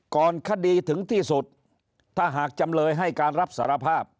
ก่อนคดีถึงที่สุดถ้าหากจำเลยให้การรับสารภาพ